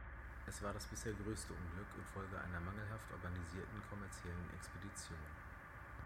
Es war das bisher größte Unglück infolge einer mangelhaft organisierten kommerziellen Expedition.